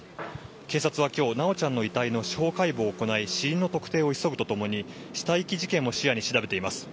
警察は今日修ちゃんの遺体の司法解剖を行い死因の特定を急ぐとともに死体遺棄事件も視野に調べています。